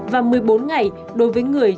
và một mươi bốn ngày đối với người